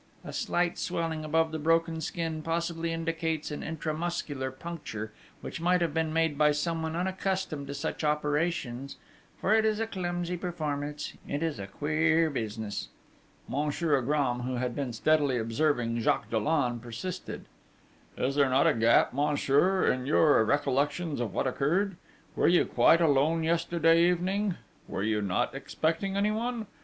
A slight swelling above the broken skin possibly indicates an intra muscular puncture, which might have been made by someone unaccustomed to such operations, for it is a clumsy performance. It is a queer business!...' Monsieur Agram, who had been steadily observing Jacques Dollon, persisted: 'Is there not a gap, monsieur, in your recollections of what occurred?... Were you quite alone yesterday evening? Were you not expecting anyone?...